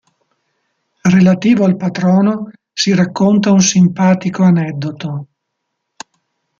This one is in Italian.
Relativo al patrono si racconta un simpatico aneddoto.